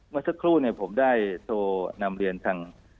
เมื่อสักครู่ผมได้โทรนำเรียนทาง